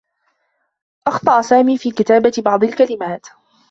أخطأ سامي في كتابة بعض الكلمات.